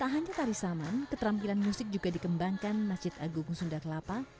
tak hanya tari saman keterampilan musik juga dikembangkan masjid agung sunda kelapa